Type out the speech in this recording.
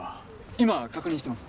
今確認してます。